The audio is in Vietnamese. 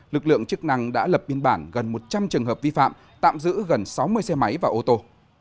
lực lượng chức năng đã lập biên bản gần một trăm linh trường hợp vi phạm tạm giữ gần sáu mươi xe máy và ô tô